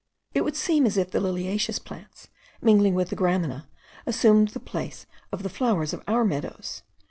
It would seem as if the liliaceous plants, mingling with the gramina, assumed the place of the flowers of our meadows.